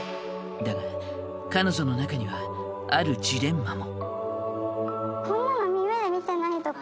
だが彼女の中にはあるジレンマも。